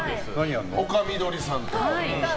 丘みどりさんと。